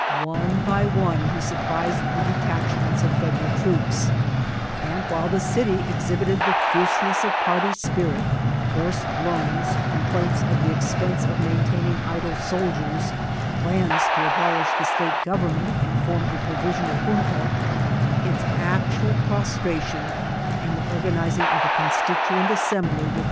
One by one, he surprised the detachments of Federal troops ; and while the city ex* hibited the fierceness of party q)irit, f(»rced loans, com plaints of the expense of maintaining idle soldiers, plans to abolish the state government and form a {Nrovisional junta, its actual prostration, and the organizing of a Constituent Assembly with M.